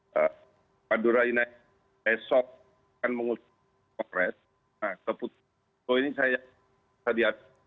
hai ah madura inek esok kan mengusung kongres nah keputusan ini saya tadi